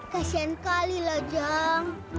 kasian kali lah jeng